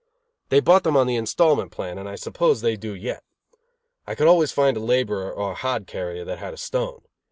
They bought them on the installment plan, and I suppose they do yet. I could always find a laborer or a hod carrier that had a stone.